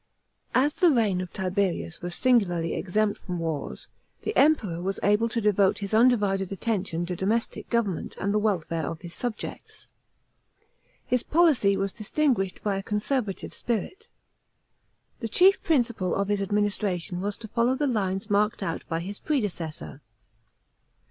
§ 1. As the reign of Tiberius was singularly exempt from wars, the Emperor was able to devote his undivided attention to domestic government and the welfare of his subjects. His policy was distinguished by a conservative spirit. The chief principle of his administration was to follow the lines marked out by his pre decessor.